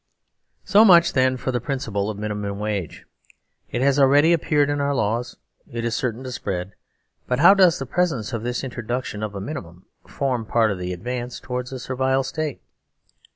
So much, then, for the Principle of a Minimum Wage. It has already appeared in our laws. It is cer tain to spread. But how does the presence of this in troduction of a Minimum form part of the advance towards the Servile State?